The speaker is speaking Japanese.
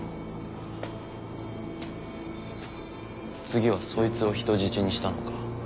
次はそいつを人質にしたのか。